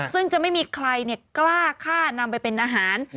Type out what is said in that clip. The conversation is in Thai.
ซึ่งจะไม่มีใครกล้าฆ่านำไปเป็นอาหาร